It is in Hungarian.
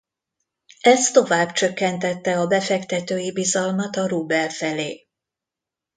Ez tovább csökkentette a befektetői bizalmat a rubel felé.